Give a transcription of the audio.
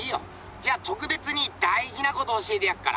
じゃ特別にだいじなことを教えてやっから。